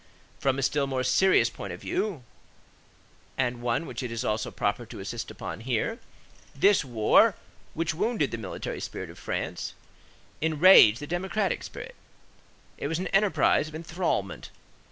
From a still more serious point of view, and one which it is also proper to insist upon here, this war, which wounded the military spirit of France, enraged the democratic spirit. It was an enterprise of enthralment.